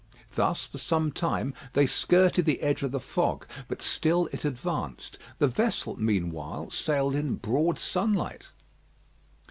Thus for some time they skirted the edge of the fog; but still it advanced. The vessel, meanwhile, sailed in broad sunlight.